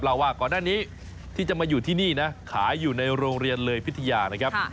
เราว่าก่อนหน้านี้ที่จะมาอยู่ที่นี่นะขายอยู่ในโรงเรียนเลยพิทยานะครับ